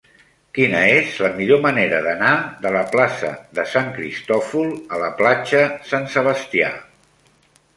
Quina és la millor manera d'anar de la plaça de Sant Cristòfol a la platja Sant Sebastià?